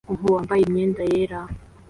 Umuhungu wambaye imyenda yera